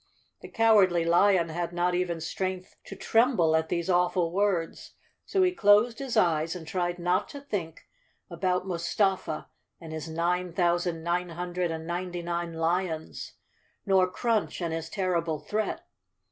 The Cowardly Lion had not even strength to tremble at these awful words, so he closed his eyes and tried not to think about Mustafa and his nine thousand nine hun¬ dred and ninety nine lions, nor Crunch and his terrible threat.